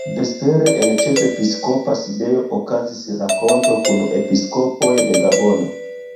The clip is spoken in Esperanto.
Vespere en ĉefepiskopa sidejo okazis renkonto kun episkopoj de Gabono.